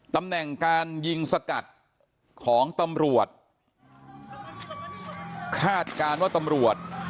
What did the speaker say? ตำแหน่งการยิงสกัดของตำรวจคาดการณ์ว่าตำรวจ